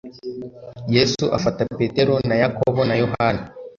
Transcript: yesu afata petero na yakobo na yohana